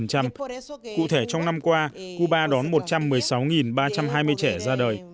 cụ thể trong năm qua cuba đón một trăm một mươi sáu ba trăm hai mươi trẻ ra đời